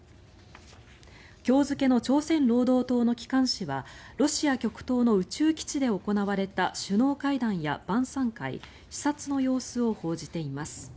今日付の朝鮮労働党の機関紙はロシア極東の宇宙基地で行われた首脳会談や晩さん会視察の様子を報じています。